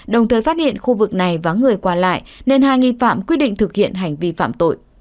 đồng thời phát hiện khu vực này vắng người qua lại nên hai nghi phạm quyết định thực hiện hành vi phạm tội